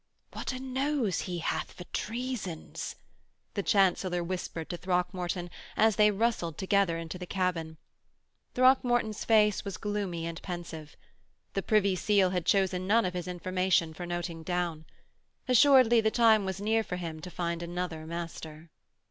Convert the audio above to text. "' 'What a nose he hath for treasons,' the Chancellor whispered to Throckmorton as they rustled together into the cabin. Throckmorton's face was gloomy and pensive. The Privy Seal had chosen none of his informations for noting down. Assuredly the time was near for him to find another master.